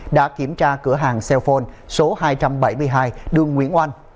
đã kiểm tra cửa hàng cellphone số hai trăm bảy mươi hai đường nguyễn oanh